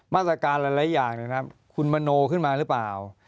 มาตรการหลายอย่างนะครับคุณมโนขึ้นมาหรือเปล่า